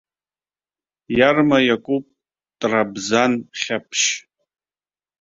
Иарма иакуп трабзан хьаԥшь.